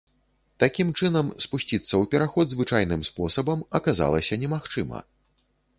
Такім чынам, спусціцца ў пераход звычайным спосабам аказалася немагчыма.